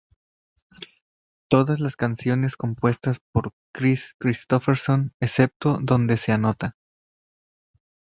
Todas las canciones compuestas por Kris Kristofferson excepto donde se anota.